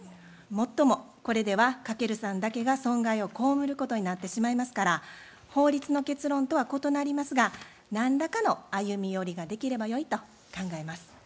もっともこれでは翔さんだけが損害を被ることになってしまいますから法律の結論とは異なりますが何らかの歩み寄りができればよいと考えます。